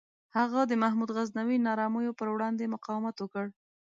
هغه د محمود غزنوي نارامیو پر وړاندې مقاومت وکړ.